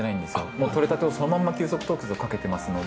もう獲れたてをそのまんま急速凍結をかけてますので。